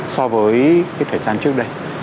hai mươi năm so với thời gian trước đây